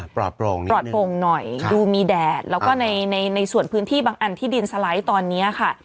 ปลอดโปร่งหน่อยดูมีแดดแล้วก็ในในส่วนพื้นที่บางอันที่ดินสไลด์ตอนนี้ค่ะ